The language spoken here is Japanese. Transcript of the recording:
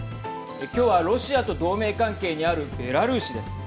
今日はロシアと同盟関係にあるベラルーシです。